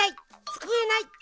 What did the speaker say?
すくえない！